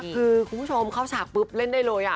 คือคุณผู้ชมเข้าฉากปุ๊บเล่นได้เลย